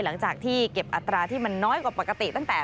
หลังจากที่เก็บอัตราที่มันน้อยกว่าปกติตั้งแต่